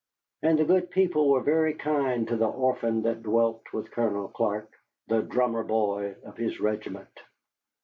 And the good people were very kind to the orphan that dwelt with Colonel Clark, the drummer boy of his regiment.